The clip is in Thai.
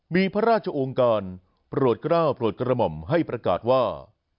มีพระราชองค์การโปรดกล้าวโปรดกระหม่อมให้ประกาศว่า